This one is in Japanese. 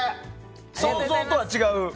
想像とは違う？